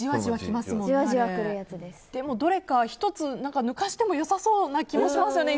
でも、どれか１つ抜かしてもよさそうな気がしますよね。